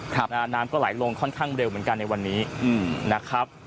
น้ำก็ไหลลงค่อนข้างเร็วเหมือนกันในวันนี้อืมนะครับ